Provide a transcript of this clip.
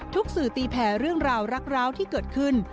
สื่อตีแผ่เรื่องราวรักร้าวที่เกิดขึ้น